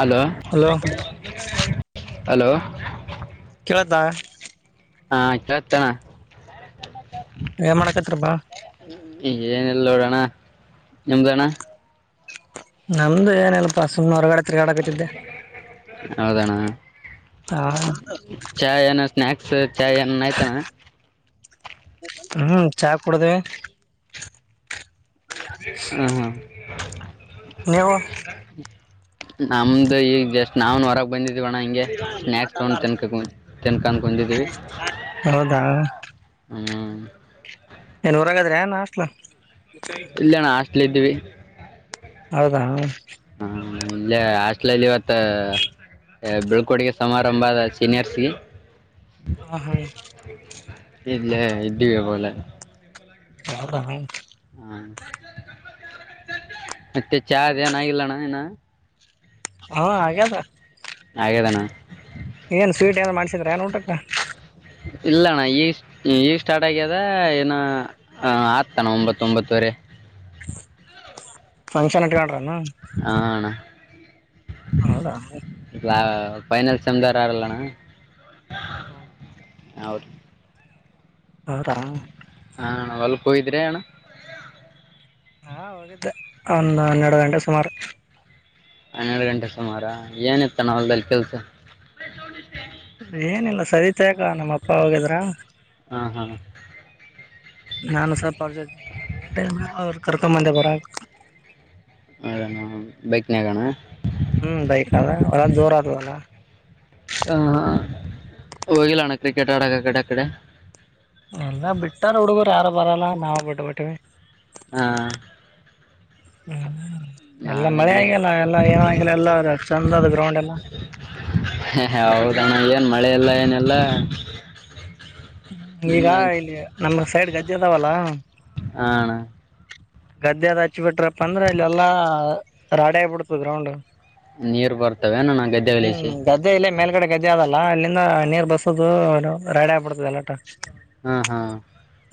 Hello hello [unintelligible] hello [unintelligible] ಹಾ ಕೇಳ್ತ ಅಣ್ಣ. ಏನ್ ಮಾಡಾಕತ್ತೀರಪ್ಪಾ? ಈಗೇನಿಲ್ಲೋಡೋಣ. ನಿಮ್ದು ಅಣ. ನಮ್ದು ಏನಿಲ್ಪ ಸುಮ್ಮನೆ ಹೊರಗಡೆ ತಿರ್ಗಾಡಕತ್ತಿದ್ದೆ. ಹೌದಣ. ಹ ಚಾಯ್ ಏನ ಸ್ನ್ಯಕ್ಸು ಚಾಯ್ ಏನನ ಆಯ್ತಾಣ್ಣ. ಹ್ಮ್ ಚಾ ಕುಡ್ದೆ. ಹ್ಞೂ ಹ್ಞೂ ನೀವು? ನಮ್ದು ಈಗ ಜಸ್ಟ್ ನಾವುನ್ ಹೊರಗೆ ಬಂದಿದ್ದ್ ದ್ದೀವಣ ಹಿಂಗೆ ಸ್ನಾಕ್ಸ್ ತಗೊಂಡ್ ತಿನ್ಕ ತಿನ್ಕನ್ ಕುಂತಿದೀವಿ ಹೌದಾ ಹ್ಮ್. [inaudible] ಎಲ್ ಹೊರಗಿದಿರೇನ್ ಹಾಷ್ಟ್ಲ? [unintelligible] ಲ್ಲಿದ್ದ್ವಿ. ಹೌದಾ? ಹ ಇಲ್ಲೇ ಹಾಷ್ಲಲ್ಲಿ ಇವತ್ತು ಏ ಏ ಬೀಳ್ಕೊಡುಗೆ ಸಮಾರಂಭದ ಸೀನಿಯರ್ಸ್ಗೆ ಹ ಹಾ ಇಲ್ಲೆ ಇದ್ದಿಒಲೆ. ಯಾರ. ಹಾ [unintelligible] ಮತ್ತೆ ಚಾರ ಏನ ಆಗಿಲ್ಲಣ್ಣ ಇನ. ಹಾ ಆಗ್ಯದ. ಹಾಗೆದೆನ. ಏನ್ ಸ್ವೀಟ್ ಏನರ ಮಾಡ್ಸಿದ್ರ ಏನ್ ಊಟಕ್ಕ. ಇಲ್ಲ ಅಣ್ಣ ಈಗ ಈಗ ಸ್ಟಾರ್ಟ್ ಆಗ್ಯದ ಏನ ಆತಾನ ಒಂಬತ್ತ ಒಂಬತ್ತುವರೆ. ಫಂಕ್ಷನ್ ಇಟ್ಕೊಂಡ್ರ. ಹ ಅಣ. ಹೌದ. ಲಾ ಫೈನಲ್ ಸೆಮದಾರ್ ಯಾರಿಲ್ಲಣ್ಣ. ಹಾ ಹಾ ಅವ್ದು ಹೌದ. ಹಾಣ ಹೊಲ್ಕ್ಗಿದ್ರೆ ಅಣ್ಣ. ಹಾ ಹೋಗಿದ್ದೆ ಒಂದ ಹನ್ನೆರಡು ಗಂಟೆ ಸುಮಾರು. ಹನ್ನೆರಡು ಗಂಟೆ ಸುಮಾರ ಏನಿತ್ತನ ವಲ್ದಲ್ಲಿ ಕೆಲ್ಸ. ಏನಿಲ್ಲ ಸರಿತಾ ನಮ್ಮ ಅಪ್ಪ ಹೋಗಿದ್ರ ಹಾಂ ಹಾಂ ನಾನು ಸ್ವಲ್ಪ ಅವ್ರು ಜೊತೆ [inaudible] ಕರ್ಕೊಂಬಂದೆ ಬರ. ಹೌದಣ್ಣ ಬೈಕ್ನಾಗಣ. ಹ್ಮ್ ಬೈಕದ ಅಲ್ಲ ಹೊಲಕ್ ಜೋರ ಅಲ್ಲ. ಹೋಗಿಲ್ಲಣ್ಣ ಕ್ರಿಕೆಟ್ ಆಡಕ ಆ ಕಡೆ ಆಕಡೆ. ಎಲ್ಲ ಬಿಟ್ಟಾರ ಹುಡುಗರು ಯಾರು ಬರಲ್ಲ ನಾವು ಬಿಟ್ಬಿಟ್ಟವಿ. ಹ ಹ್ಮ ಎಲ್ಲ ಮಳೆ ನಾವಿಲ್ಲೇ ಆಗಿಲ್ಲ ಎಲ್ಲ ಏನಾಗಿಲ್ಲ ಎಲ್ಲ ಚೆಂದ ಅದ ಗ್ರೌಂಡ್ ಎಲ್ಲ. ಣ ಏನ್ ಮಳೆ ಇಲ್ಲ ಏನಿಲ್ಲ. ಈಗ ಇನ್ನು ಹಾಂ ಇಲ್ಲಿ ನಮ್ ಸೈಡ್ ಗದ್ದಿ ಅದಾವಲ್ಲ. [inaudible] ಗದ್ದೆರ ಹಚ್ಚಿ ಬಿಟ್ರಪ್ಪ ಅಂದ್ರ ಇಲ್ಲಿ ಎಲ್ಲಾ ರಾಡಿ ಆಗ್ಬಿಡ್ತ ಗ್ರೌಂಡ್. ನೀರ್ ಬರ್ತವೆ ಎನ್ ಣ್ಣಾ ಹ್ಮ್ ಗದ್ದೆ ಇಲ್ಲ ಮೇಲ್ಗಡೆಗ. ಗದ್ದೆ ಅದಲ್ಲ ಅಲ್ಲಿಂದ ನೀರ್ ಬಸ್ಸದು ರಾಡಿ ಆಗ್ಬಿಡ್ತದಲ್ಲಟ. ಹ್ಮ ಹಾ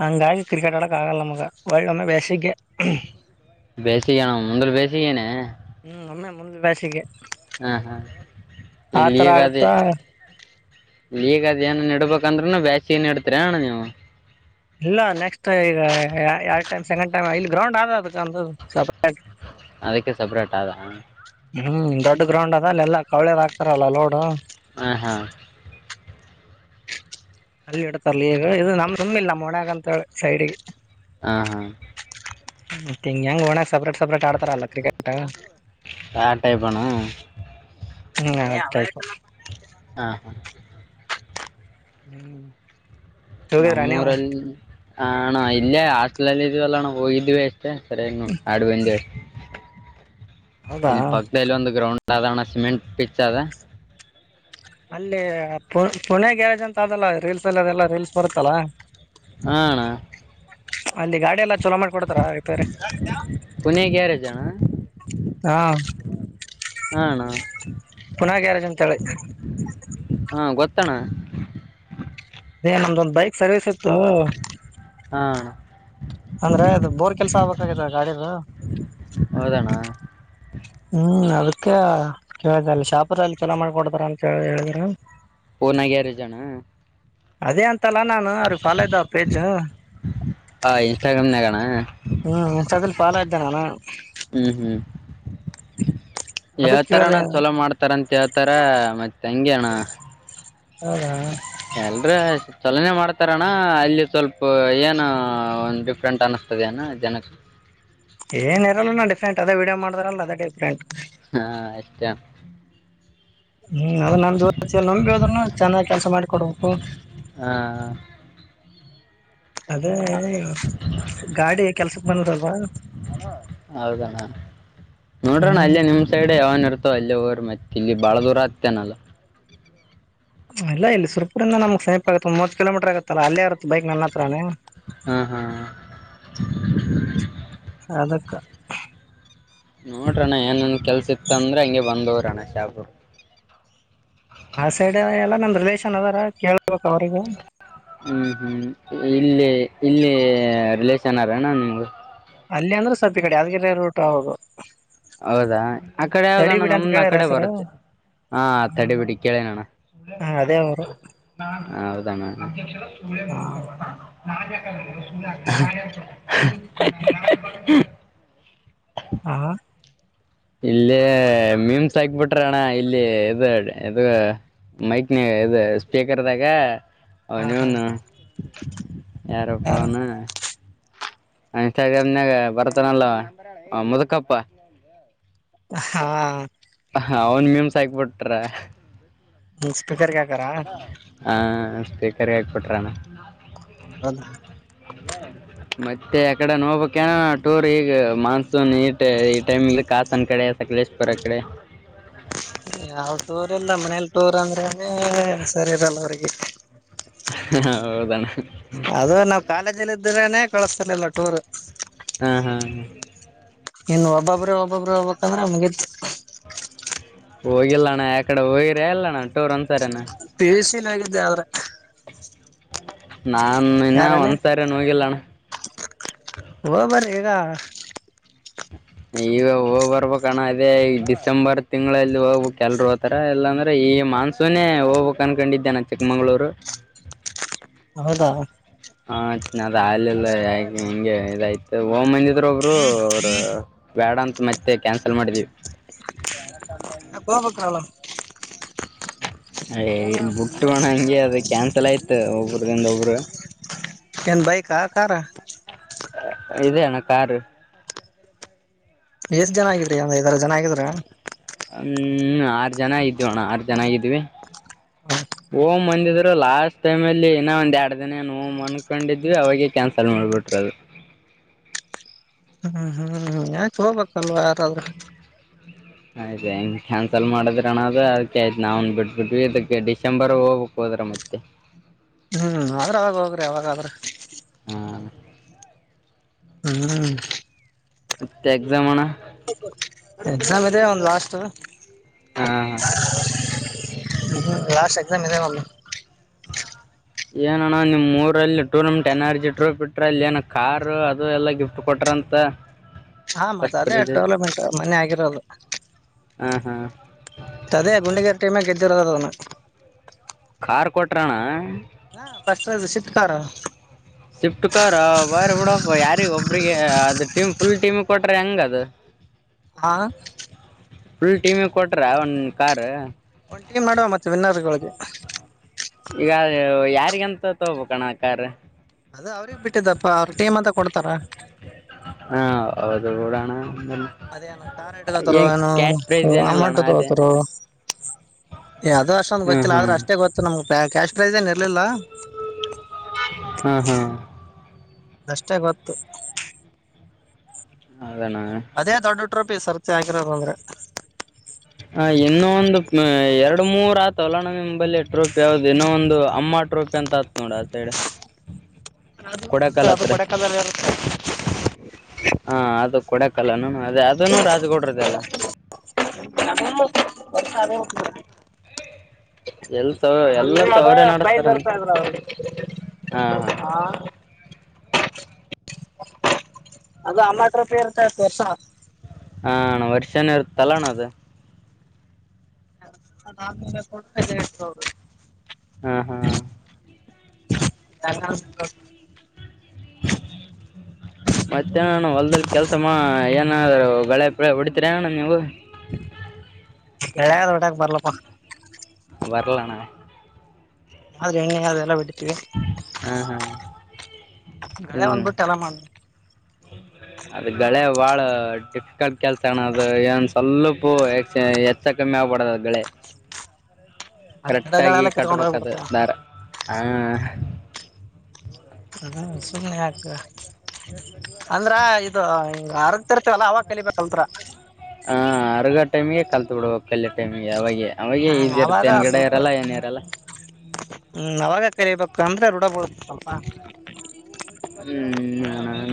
ಹಂಗಾಗಿ ಕ್ರಿಕೆಟ್ ಆಡಕ್ ಆಗಲ್ಲ ನಮ್ಗೆ ಹೊಳ್ಳಿ ಒಮ್ಮೆ ಬ್ಯಾಸಿಗ್ಗೆ. ಬೇಸಿಗೆನ ಮುಂದ್ರ ಬೇಸಿಗೆನೆ. ಹ್ಮ ಒಮ್ಮೆ ಮುಂದ್ಲ ಬ್ಯಾಸಿಗೆ. ಹಾ ಹಾ ಇಲ್ಲಿ ಆತರ ಹೀಗದೇ. ಆಗತ್ತಾ ಈಗ ಅದೇನ್ ನಡ್ಬೇಕಂದ್ರೂನು ಬ್ಯಾಸಿಗೆ ನೆಡ್ತರನೇಣ್ಣಾ ನೀವು. ಇಲ್ಲ ನೆಕ್ಸ್ಟ್ ಈಗ ಎರಡ ಟೈಮ್ ಸೆಕೆಂಡ್ ಟೈಮ್ ಇಲ್ಲಿ ಗ್ರೌಂಡ್ ಆದ ಅದಕ್ಕೆ ಒಂದ್ ಸ್ವಲ್ಪ. ಅದಕ್ಕೆ ಸಪರೇಟ್ ಆದ. ಹ್ಮ್ ದೊಡ್ಡ ಗ್ರೌಂಡ್ ಅದ ಅಲ್ಲೆಲ್ಲ ಕವಳ್ಯದ ಹಾಕತಾರಲ್ಲ ಲೋಡು. ಹ ಹಾ ಅಲ್ಲಿ ಇಡ್ತಾರಲಿ ಈಗ ಇದು ನಮ್ ತುಮ್ಮ ಇಲ್ಲ ಮೊನ್ಯಾಗ್ ಅಂತ [unintelligible] ಸೈಡ್ಗಿ. ಹ ಹಾ ಮತ್ತ ಹಿಂಗ ಹೆಂಗ ಒನ್ಯಾಗ ಸಪ್ರೇಟ್ ಸಪ್ರೇಟ್ ಆಡ್ತಾರಲ್ಲ ಕ್ರಿಕೆಟ್. ಆ ಟೈಪ್ ಅನು. ಹ್ಮ್ ಆಯ್ತ ಆಯ್ತ. ಹಾ ಹಾ ಹ್ಮ. ನಮ್ಮೂರಲ್ಲಿ. ಹ ಅಣ್ಣಾ ಇಲ್ಲೇ ಹಾಸ್ಟೆಲ್ಲಿ ಇದ್ವಿಲ್ಲಣ ಹೋಗಿದ್ವಿ. [unintelligible] ಸರಿಯಾಗಿ ನೋಡ್ ಆಡುವೆಂದ. ಹೌದಾ ಇಲ್ಲಿ ಪಕ್ಕದಲ್ಲಿ ಒಂದ ಗ್ರೌಂಡ್. ಸಾದರಣ ಸಿಮೆಂಟ್ ಪಿಚ್ ಅದ. ಅಲ್ಲಿ ಪು ಪುಣೆ ಗ್ಯಾರೇಜ್ ಅಂತ ಅದಲ್ಲ ರೀಲ್ಸ್ ಅಲ್ಲ ಅದೆಲ್ಲ ರೀಲ್ಸ್ ಬರುತ್ತಲ್ಲ. ಹ ಅಣ್ಣಾ. ಅಲ್ಲಿ ಗಾಡಿ ಎಲ್ಲ. ಚಲೋ ಮಾಡ್ಕೊಡ್ತಾರ ರಿಪೇರಿ. ಪುಣೆ ಗ್ಯಾರೇಜ್ ಅಣ್ಣ ಹಾ ಹಾ ಅಣ್ಣ ಪುನಾ ಗ್ಯಾರೇಜ್ ಅಂತ ಹೇಳಿ. ತ್ತಣ. ಎ ನಮ್ದೊಂದ್ ಬೈಕ್ ಸರ್ವಿಸ್ ಇತ್ತು. ಹ ಅಣ. ಅಂದ್ರೆ ಅದು ಬೋರ್ ಕೆಲ್ಸ ಆಗ್ಬೇಕಾಗದ ಗಾಡಿದು. ಹೌದಣ್ಣ ಹ್ಮ್ ಅದಕ್ಕೆ ಕೇಳಿದೆ ಅಲ್ಲಿ ಶಾಪ್ರಲ್ಲಿ ಚಲೋ ಮಾಡ್ಕೊಡತಾರ ಅಂತ ಹೇಳ ಹೇಳಿದ್ರು. ಪುನಾ ಗ್ಯಾರಜಣ್ಣಾ ಅದೇ ಅಂತ. ಇತ್ತಲ್ಲ ನಾನು ಅವರಿಗೆ ಫಾಲೋ ಇದ ಪೇಜ. ಹಾ ಇನ್ಸ್ಟಾಗ್ರಾಮ್ನಗಣ. ಫಾಲೊ ಇದ್ದನಾನ. ಹ್ಮ್ ಹ್ಮ್ [inaudible] ಅದು ಹೇಳ್ತರಣ ಕೇಳ್ದೆ ಚಲೋ ಮಾಡ್ತಾರಂತ ಹೇಳ್ತರ ಮತ್ತೆ ಹಿಂಗೆಣ್ಣ. ಹೌದಾ ಎಲ್ರ ಚಲನೆ ಮಾಡ ತರಣ ಅಲ್ಲಿ ಸ್ವಲ್ಪ ಏನು ಒ ಡಿಫ್ರೆಂಟ್ ಅನಿಸ್ತದೆ ಅಣ ಜನಕ್ಕೆ. ಏನ್ ಇರಲ್ಲ ನ ಡಿಫ್ರಂಟ್ ಅ ವೀಡಿಯೋ ಮಾಡಾರಲ್ಲ ಅದೇ ಡಿಫ್ರೆಂಟ್ ಹಾ ಎಷ್ಟ. ಹ್ಮ್ ಅ ನಮ ಜೋತಿ ನಂಬಿ ಹೋದ್ರುನು ಚೆನ್ನಾಗಿ ಕೆಲಸ ಮಾಡಿಕೊಡ್ಬೇಕು. ಹಾಂ ಅದೇ [unintelligible] ಗಾಡಿ ಕೆಲ್ಸಕ್ ಬಂದದಲ್ವಾ ಹೌದಣ್ಣ ನೋಡ್ರಣ ಹ್ಮ್ ಅಲ್ಲೇ ನಿಮ್ ಸೈಡ್ ಯಾವನ್ ಇರ್ತೋ ಅಲ್ಲ ರ್ ಮತ್ತ ಇಲ್ಲಿ ಬಾಳ ದೂರ ಆಗ್ತೇನಲ್ಲ. ಇಲ್ಲ ಇ ಸರ್ಪೂರಿಂದಿಂದ ನಮ್ಗ್ ಸಮೀಪ ಆತ್ತೆ ಒಂದ್ ಮೊವತ್ ಕಿಲೊಮೀಟರ್ ಆಗತ್ತಲ್ಲ ಅಲ್ಲೇ ಇರುತ್ತೆ ಬೈಕ್ ನನ್ನ ಹತ್ರನೇ. ಹಾ ಹಾ [unintelligible] ಅದಕ್ಕ- ನೋಡ್ರಣ್ಣ ಏನನ್ ಕೆಲ್ಸ ಇತ್ತ ಅಂದ್ರೆ ಹಂಗಗೆ ಬಂದವ್ರಣ್ಣ ಶಾಬೂರ್ ಆ ಸೈಡ್ ಎಲ್ಲಾ ನಂದ್ ರಿಲೇಷನ್ ಅದಾರೇ ಕೆಳ್ ಹ್ಮ್ ಹ್ಮ್ ಇಲ್ಲೇ ಇಲ್ಲಿ ರಿಲಷನ್ರಣ್ಣ ಅವರೇನು ನಿಮಗೆ. ಅಲ್ಲಿ ಅಂದ್ರೆ ಸ್ವಲ್ಪ ಕಡೆ ಯಾದಗಿರಿ ರೌಟ್ ಹೌದು. ಹೌದಾ ಆ ಕಡೆ ತಡಿ ಯಾವ್ದಣ್ಣ ಬಿಡಿ ಅಂತ ನಮ ಆ ಕೇಳ್ಯಾರ ಕಡೆ ಹೆಸರು ಬರುತ್ತೆ ಹಾ ತಡೆ ಬಿಡಿ ಕೇಳಿನಣ್ಣ ಹ ಅದೇ ಅವರು ಹೌದ ಅಣ್ಣ. ಹಾ [unintelligible] ಹಾ ಇಲ್ಲ ಮೀಮ್ಸ್ ಹಾಕ್ ಬಿಟ್ರ ಅಣ್ಣ ಇಲ್ಲಿ ಇದು ಇದು ಮೈಕ್ ಇದು ಸ್ಪೀಕರ್ದಾಗ ಹ ಹಾ ಅವನಿವನ್ ಯಾರು ಯಾರಪ್ಪವನ್. ಇನ್ಸ್ಟಾಗ್ರಾಮ್ ನಾಗ ಬರ್ತಾನಲ್ಲ ಹ ಮುದಕಪ್ಪ. ಹಾ- ಅವನ್ ಮೀಮಸ ಆಗ್ಬಿಟ್ರಿ. ಹ್ಮ ಸ್ಪೀಕರ್ ಆಕುರಾ. ಹ ಸ್ಪೀಕರ್ಗೆ ಹಾಕಬಟ್ರಣ್ಣ. ಹೌದಾ ಮತ್ತೆ ಅಕಡೆ ನೋಬೇಕೇನ ಟೂರ್ ಈಗ ಮಾನ್ಸೂನ್ ಈ ಈ ಟೈಮ ಕಾಸನ್ ಕಡೆ ಸಕಲೇಶ್ಪುರ ಕಡೆ. ಯಾವ ಟೋರ್ ಇಲ್ಲ ಮನೇಲಿ ಟೋರ್ ಅಂದ್ರೆ ಹನು ಸರಿ ಇರಲ್ಲ ಅವ್ರರಿಗೆ. ಹ ಹೌದಣ- ಅದು ನಾವವು ಕಾಲೇಜಲ್ಲಿ ಇದ್ರನೇ ಕಳಸ್ತಲಿಲ್ಲ ಟೂರ್ ಹಾ ಹಾ ಹ ಇನ್ನು ಒಬ್ಬೊಬ್ರ ಒಬ್ಬೊಬರು ಹೋಗ್ಬಕ್ಂದ್ರೆ ಮುಗಿತ್ತು. ಹೋಗಿಲ್ಲಣ್ಣ ಯಕಡೆ ಹೋಗಿರ ಎಲ್ಲ ನ್ಣ ಟೂರ್ ಒಂದ್ಸರನ. ಪಿ ಯು ಸ್ನ್ ಆಗಿದ್ದೆ ಆದ್ರೆ. ನಾನ್ ಇನ್ನ ಯಾರಲ್ಲಿ ಒಂದ್ಸರಿನು ಹೋಗಿಲ್ಲಣ್ಣ. ಓಬರಿ ಈಗ. ಈಗ ಹೋಗ್ ಬರ್ಬೇಕಣ ಅದೇ ಈ ಡಿಸೆಂಬರ್ ತಿಂಗ್ಳಲ್ಲಿ ಹೋಗ್ಬೇಕ್ ಎಲ್ರು ಹೋತರೆ ಇಲ್ಲಾಂದ್ರೆ ಈ ಮಾನ್ಸೂನೇ ಹೋಗ್ಬೇಕ್ ಅನ್ಕೊಂಡಿದ್ದೆ ನಾ ಚಿಕ್ಕಮಂಗ್ಳೂರು. ಹೌದಾ? ಹ ನದ್ ಆಲಿಲ್ಲ ಹಿಂಗ ಇದಾಯ್ತು ಓ ಮಂದಿದ್ರ ಒಬ್ರು ಅವ್ರು ಬೇಡ ಅಂತ ಮತ್ತೆ ಕ್ಯಾನ್ಸಲ್ ಮಾಡಿದೀವಿ. ಯಾಕ್ ಹೋಬೇಕಾಲ? ಏ ಇನ್ ಬುಟ್ಟುವಣ ಹಂಗೆ ಅದು ಕ್ಯಾನ್ಸಲ್ ಆಯ್ತು ಒಬ್ರದಿಂದ ಒಬ್ರು. ಏನ್ ಬೈಕಾ ಕಾರ? ಇದು ಅಣ ಕಾರು ಎಷ್ಟ್ ಜನ ಆಗಿದ್ರಿ ಒಂದೖದಾರು ಜನ ಆಗಿದ್ರ. ಹ್ಮ್ ಆರು ಜನ ಇದ್ವಿ ಅಣ ಆರು ಜನ ಆಗಿದ್ವಿ ಹೋಮಂದಿದ್ರು ಲಾಸ್ಟ್ ಟೈಮಲ್ಲಿ ಏನೋ ಒಂದ್ ಎರಡು ದಿನ ಏನು ಹೋಮನ್ಕೊಂಡಿದ್ವಿ ಅವಾಗೇ ಕ್ಯಾನ್ಸಲ್ ಮಾಡ್ಬಿಟ್ರದು. ಯಾಕೋಬೇಕ್ ಒಂದ್ವಾರಾದ್ರ. ಆದೆಂಗ್ ಕ್ಯಾನ್ಸಲ್ ಮಾಡದ್ರಣ ಅದು ಅದಕ ಆಯ್ತು ನಾವ್ನ್ ಬಿಟ್ಬಟ್ವಿ ಇದಕ್ಕೆ ಡಿಸೆಂಬರ್ ಹೋಗ್ಬೇಕ್ ಹೋದ್ರ ಮತ್ತೆ. ಹ್ಮ್ ಆದ್ರ ಅವಾಗ ಹೋಗ್ರಿ ಅವಾಗಾದ್ರ. ಹ್ಮ ಹ್ಮ್ ಮತ್ತ ಎಕ್ಸಾಮಣ ಎಕ್ಸಾಮ್ ಇದೆ ಒಂದು ಲಾಸ್ಟ್ದು. ಹ್ಮ್ ಹಾ ದೆವಲ್ಲು ಏನಣ ನಿಮ್ಮೂರಲ್ಲಿ ಟೂರ್ನರ್ಮೆಂಟ್ ಏನ್ ಆರ್ಜಿಟ್ರೂಪಿಟ್ರಲ್ಲಿ ಏನ ಕಾರು ಅದು ಎಲ್ಲಾ ಗಿಫ್ಟ್ ಕೊಟ್ರಂತ. ಹಾ ಮತ್ತೆ ಫಸ್ಟ್ ಅದೇ ಪ್ರೈಜ್ ಡೆವಲಪ್ಮೆಂಟ್ ಮನೆ ಆಗಿರೋದು. ಹಾ ಹಾ ಅದೇ ಗುಂಡಿಗರಿ ಟೀಮೆ ಗೆದ್ದಿರದದನ್ನ. ಕಾರ್ ಕೊಟ್ರಣ್ಣ. ಹಾ first prize shift car. Shift car ಬಾರಿ ಬಿಡಪ್ಪ ಯಾರಿ ಒಬ್ರಿಗೆ ಅದ ಟೀಮ್ ಫುಲ್ ಟೀಮ ಕೊಟ್ರ ಹೆಂಗದು. ಹಾ ಫುಲ್ ಟೀಮಿಗ್ ಕೊಟ್ರ ಒಂದು ಕಾರು ಒಂದ್ ಟೀಮ್ ಮಾಡುವ ಮತ್ತೆ [inaudible] ಈಗ ಯಾರಿಗಂತ ತಗಬೇಕಣ ಕಾರು. ಅದ ಅವ್ರಗ್ ಬಿಟ್ಟಿದ್ದಪ್ಪ ಅವ್ರ ಟೀಮ್ ಅಂತ ಕೊಡ್ತಾರ. ಹಾ ಅದು ರಣ. ಅದೇನು ಕಾರಿಟ್ಕೊತ್ತಾರೋ ಏನೋ ಕ್ಯಾಶ್ ಪ್ರೈಸ್ ಏನಿಲ್ಲ ಗೌರ್ಮಂಟ್ ಅಣ್ಣ ಅದೇ ತಗೋತರು ಅದು ಅಷ್ಟೊಂದು ಹ್ಞೂ ಗೊತ್ತಿಲ್ಲ ಹ್ಞೂ ಆದ್ರೆ ಅಷ್ಟೇ ಗೊತ್ತು ನಮ್ ಕ್ಯಾಶ್ [unintelligible] ಹಾಂ ಹಾಂ. ಅದಷ್ಟೇ ಗೊತ್ತು. ಹೌದಣ್ಣ ಅದೇ ದೊಡ್ಡ ಟ್ರೊಫಿ ಸರ್. ಚಾಕಿರ ಬಂದ್ರೆ. ಹ ಇನ್ನೊಂದು ಎರಡು ಮೂರ್ ಆತಲೋಣ ನಿಮ್ ಬಲ್ಲಿ. ಹತ್ತು ರೂಪಾಯಿದು ಇನ್ನೋ ಒಂದು ಅಮ್ಮ. ಟ್ರೊಪಿ ಅಂತ ಆತ್ ನೋಡ ಅ ಸೈಡ. ಅದು ಅದು ಬಡೆ ಕಾಲಲ್ಲಿ ಇರುತ್ತೆ. ಹಾ ಅದು. ಕೊಡಕಲನು. ಅದೇ ಅದನು ರಾಜ್ಗೌಡ್ರದಲ್ಲ. [unintelligible] ಎಲ್ ಸೌ ಎಲ್ಲ ಅಂದ್ರೆ ಅದ ಸೌರೇ ಪ್ರೈಸ್ ನಡೆಸ್ತಾರೆ ಇರ್ತ ಅನ್ಸತಿ ಇದ್ರ ಅವ್ರಿಗೆ ಹಾ ಹಾ. ಅದು ಅಮಟ ರೂಪೇ ಇರ್ತತ್ತು ವರ್ಸ. ಹಾ ಅಣ ವರ್ಷನ ಇರುತ್ತಲ್ಲಣ ಅದು. [unintelligible] ಹ ಹಾ [unintelligible] ಮತ್ತೆ ನಾನು ಹೊಲ್ದಲ್ಲಿ ಕೆಲ್ಸ ಮಾ ಏನಾದ್ರು ಗಳೆಪಿಳೆ ಹೊಡಿತಿರೇನಣ ನೀವು. ಎಳಗಾದ ಹೊಡಕ ಬರ್ಲಪ್ಪ. ಬರಲಣ. [unintelligible] [inaudible] ಗಳೆ ಹಾಂ ಹಾಂ ಹ್ಞೂ ಒಂದ್ಬಿಟ್ಟ ಎಲ್ಲ ಮಾಡ ಅದು ಗಳೆ ಬಾಳ ಡಿಫಿಕಲ್ಟ್ ಕೆಲ್ಸ ಅಣ ಅದು ಏನ್ ಸ್ವಲ್ಪು ಎಕ್ಸ್ ಹೆಚ್ಚ ಕಮ್ಮಿ ಆಗ್ಬಡದು ಅದ ಗಳೆ. ಮತ್ತ ಕರೆಕ್ಟ್ ಆಗಿ ಗಿಡಗಳೆಲ್ಲ ಕಿತ್ಕೊಂಡ್ ಕಟ್ಬೇಕದು ಹೋಗ್ಬಿಡ್ತ ದಾರ. ಹ ಅದು ಸುಮ್ನೆ ಯಾಕ. ಅಂದ್ರ ಅ ಹಂಗ ಆರಗ್ತಿರ್ತವಲ್ಲ ಅವಾಗ ಕಲಿಬೇಕ್ ಕಲ್ತರ. ಹ ಅರ್ಗ ಟೈಮಿಗೆ ಕಲ್ತ್ ಬಿಡುಬೇಕ ಕಲ್ಲಯ ಟೈಮಿಗೆ ಅವಾಗೆ. ಅವಾಗೆ ಈಸಿ ಇರುತ್ತೆ ಅವಾಗ ಹೆನ್ಗಡೆ ಸ್ವಲ್ಪ ಇರಲ್ಲ ಏನ ಇರಲ್ಲ. ಕರಿಬೇಕ ಅಂದ್ರೆ ರೂಡ ಬಿಳತ್ತ ಸ್ವಲ್ಪ. ಹ್ಮ್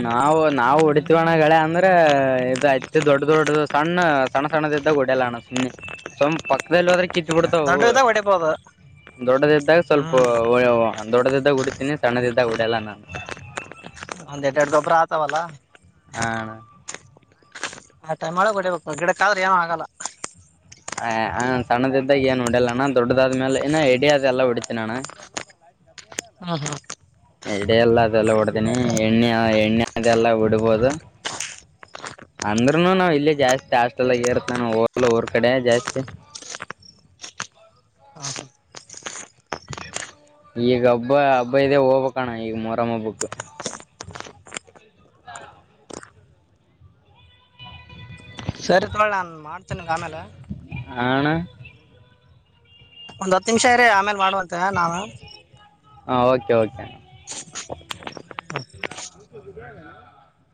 ನಾವು ನಾವು ಹೊಡತಿವಣ್ಣ ಗಳೆ ಅಂದ್ರೆ ಇದ ಐತಿ ದೊಡ್ಡ ದೊಡ್ಡ ಸಣ್ಣ ಸಣ್ಣ ಸಣ್ಣದಿದ್ದಾಗ ಹೊಡಲ್ಲ ಅಣ್ಣ ಸುಮ್ಮ್ನೆ ಸುಮ್ ಪಕ್ಕದಲ್ಲಿ ಹೋದ್ರೆ. ಕಿತ್ತು ಬಿಡ್ತಾವ ದೊಡ್ಡ ಅವು ಇದಾಗ ಹೊಡಿಬೋದು ದೊಡ್ಡದಿದ್ದಾಗ ಸ್ವಲ್ಪ ಹ್ಮ್ ದೊಡ್ಡದಿ. ಕುಡತನೇ ಸಣದ ಒಡಯಲ್ಲ ನಾನು. ಒಂದ್ ಎಡ್ ಎಡ್ ಗೊಬ್ರ ಆತವಲ್ಲ. ಹ ಆತ ಮಳ ಹೊಡಿಬೇಕು ಗಿಡಕ್ಕ ಆದ್ರೆ ಏನೋ ಆಗಲ್ಲ ಹಾ ಹಾ ಸಣ್ಣದಿದ್ದಾಗ ಏನ್ ಹೂಡ್ಯಲ್ಲಣ ದೊಡ್ಡದಾದ್ಮೇಲೆ ಎನ್ನ ಎಡಿ ಅದ ಎಲ್ಲ ಹೊಡಿತಿನಿ ಅಣ್ಣ. ಹಾ ಹಾ. ಎಡಿ ಎಲ್ಲ ಅದೆಲ್ಲ ಹೊಡದಿನಿ ಎಣ್ಣೆ ಎಣ್ಣೆ ಅದೆಲ್ಲ ಬಿಡ್ಬೋದು ಅಂದ್ರುನು ನಾವ್ ಇಲ್ಲಿ ಜಾಸ್ತಿ ಹಾಸ್ಟೆಲ್ಗ ಇರುತ್ತಾನ ಹೋಗಲ್ಲ ಊರ್ ಕಡಿ ಜಾಸ್ತಿ. [unintelligible] ಈಗ ಹಬ್ಬ ಹಬ್ಬ ಇದದೆ ಹೋಗಬಣ ಈಗ ಮೊರಮ್ಮ ಹಬ್ಬಕ್. [unintelligible] ಸರಿ ತವಳ ನಾನ್ ಮಾಡ್ತೀನಿ ಆಮೇಲೆ ಹ ಅಣ್ಣ ಒಂದ್ ಹತ್ತು ನಿಮಿಷ ಇರ್ ಆಮೇಲೆ ಮಾಡುವಂತೆ ನಾನು- ಹಾ ಓಕೆ ಓಕೆ. ಹ [unintelligible]